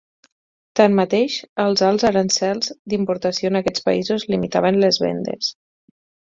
Tanmateix, els alts aranzels d'importació en aquests països limitaven les vendes.